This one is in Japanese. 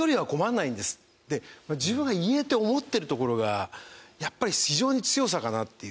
って自分が言えて思ってるところがやっぱり非常に強さかなっていう。